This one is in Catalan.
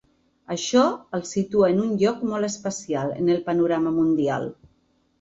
Això el situa en un lloc molt especial en el panorama mundial.